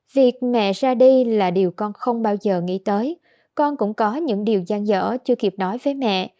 việc mẹ ra đi là điều con không bao giờ nghĩ tới con cũng có những điều gian dở chưa kịp nói với mẹ